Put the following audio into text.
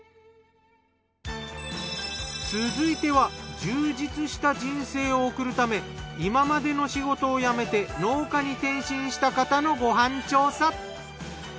続いては充実した人生を送るため今までの仕事を辞めて農家に転身した方のご飯調査。